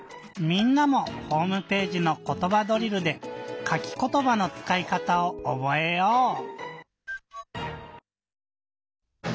みんなもホームページの「ことばドリル」で「かきことば」のつかいかたをおぼえよう！